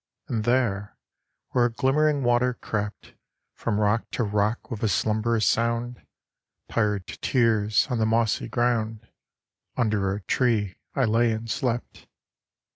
And there, where a glimmering water crept From rock to rock with a slumberous sound, Tired to tears, on the mossy ground, Under a tree I lay and slept.